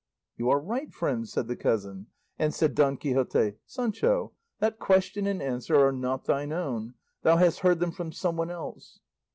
"You are right, friend," said the cousin; and said Don Quixote, "Sancho, that question and answer are not thine own; thou hast heard them from some one else."